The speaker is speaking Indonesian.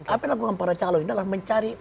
apa yang dilakukan para calon ini adalah mencari